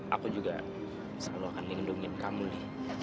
aku juga selalu akan lindungi kamu li